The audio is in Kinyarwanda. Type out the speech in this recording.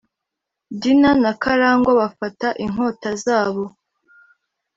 Dina na Karangwa bafata inkota zabo